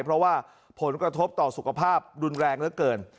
เพราะว่าผลกระทบต่อสุขภาพรุนแรงเหลือเกิน